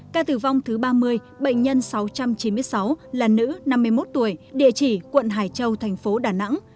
ca tử vong thứ ba mươi bệnh nhân sáu trăm chín mươi sáu là nữ năm mươi một tuổi địa chỉ quận hải châu thành phố đà nẵng